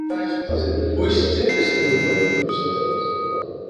ازادي راډیو د ټرافیکي ستونزې په اړه د روغتیایي اغېزو خبره کړې.